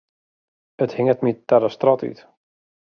It hinget my ta de strôt út.